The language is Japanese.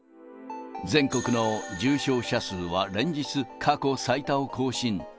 全国の重症者数は連日、過去最多を更新。